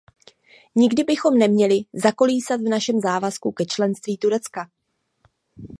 Nikdy bychom neměli zakolísat v našem závazku ke členství Turecka.